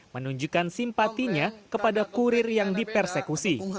menunjukkan simpatinya kepada kurir yang dipersekusi